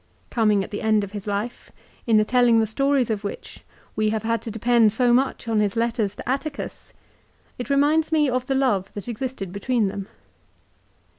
Coming at the end of his life, in the telling the stories of which we have had to depend so much on his letters to Atticus, it reminds me of the love that existed between them.